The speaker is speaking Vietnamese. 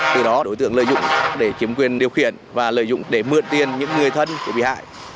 từ đó đối tượng lợi dụng để chiếm quyền điều khiển và lợi dụng để mượn tiền những người thân của bị hại